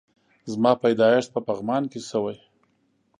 زما پيدايښت په پغمان کی شوي